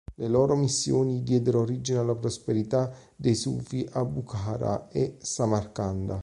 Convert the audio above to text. Le loro missioni diedero origine alla prosperità dei sufi a Bukhara e Samarcanda.